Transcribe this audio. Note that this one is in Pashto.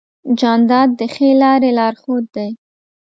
جانداد د ښې لارې لارښود دی.